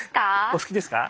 お好きですか？